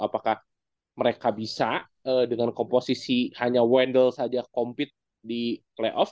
apakah mereka bisa dengan komposisi hanya wendel saja compete di playoff